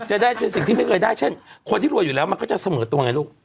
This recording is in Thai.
จะได้ในสิ่งที่ไม่เคยได้เช่นคนที่รวยอยู่แล้วมันก็จะเสมอตัวไงลูก